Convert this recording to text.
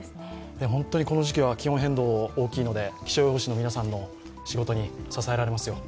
本当にこの時期は気温変動大きいので、気象予報士の皆さんの仕事に支えられますよ。